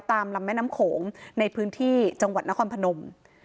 ลำแม่น้ำโขงในพื้นที่จังหวัดนครพนม